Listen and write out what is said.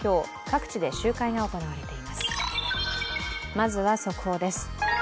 まずは速報です。